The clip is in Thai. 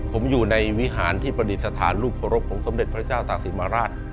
ผมอยู่ในวิหารที่ประดิษฐานรูปเคารพของสมเด็จพระเจ้าตากศิมาราช